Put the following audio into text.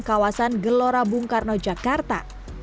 kawasan gelora bung karno jakarta